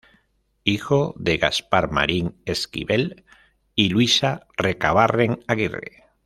Hijo de Gaspar Marín Esquivel y "Luisa Recabarren Aguirre".